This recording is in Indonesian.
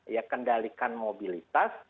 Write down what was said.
ya kendalikan mobilitas